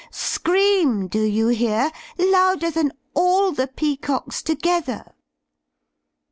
Scream, do you hear, louder than all the peacocks together."